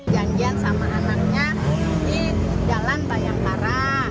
janjian sama anaknya di jalan tayang parah